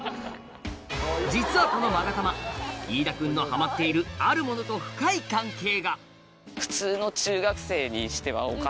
実はこの勾玉飯田君のハマっているあるものと深い関係が普通の中学生にしては。